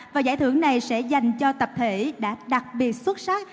và giải thưởng này sẽ dành cho tập thể đã đặc biệt xuất sắc